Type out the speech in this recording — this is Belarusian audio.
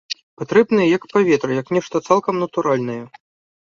Патрэбная як паветра, як нешта цалкам натуральнае.